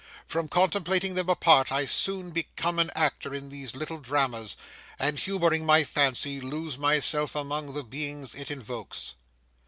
From contemplating them apart, I soon become an actor in these little dramas, and humouring my fancy, lose myself among the beings it invokes.